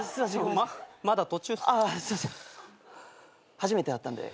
初めてだったんで。